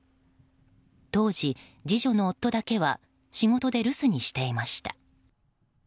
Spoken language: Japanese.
当時、次女の夫だけは仕事で留守にしていました。